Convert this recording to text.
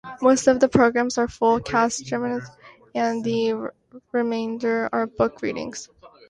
Most of the programs are full cast dramatizations and the remainder are book readings.